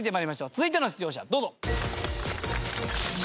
続いての出場者どうぞ。